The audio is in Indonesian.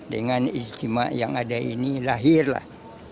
dengan istimewa yang ada ini lahirlah